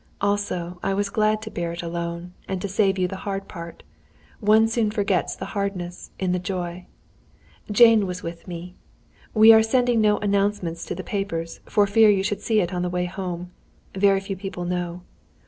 Also I was glad to bear it alone, and to save you the hard part. One soon forgets the hardness, in the joy. "Jane was with me. "We are sending no announcement to the papers, for fear you should see it on the way home. Very few people know.